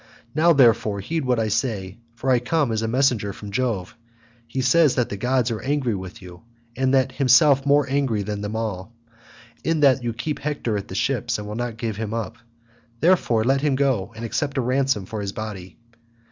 Now, therefore, heed what I say, for I come as a messenger from Jove; he says that the gods are angry with you, and himself more angry than them all, in that you keep Hector at the ships and will not give him up. Therefore let him go, and accept a ransom for his body."